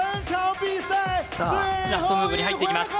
ラストムーブに入っていきます。